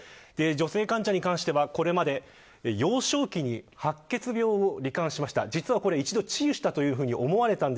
女性患者に関してはこれまで幼少期に白血病を罹患しました。